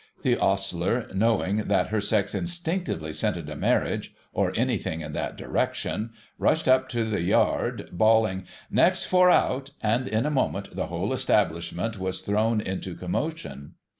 The ostler, knowing that her sex instinctively scented a marriage, or anything in that direction, rushed up the yard bawling, ' Next four out !' and in a moment the whole establishment was thrown into commotion.